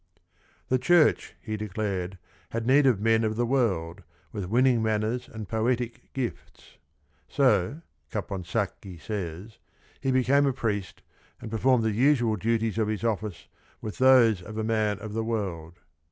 The church, he declared, had need of men of the world with winning manners and poetic gifts. So, Caponsacchi says, he became a priest and performed the usual duties of his office with those of a man of the world.